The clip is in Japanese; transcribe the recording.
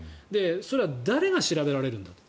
それは誰が調べられるんだと。